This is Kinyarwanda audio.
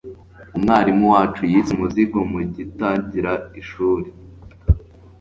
umwarimu wacu yise umuzingo mugitangira ishuri